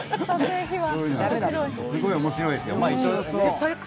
すごい面白いですよ。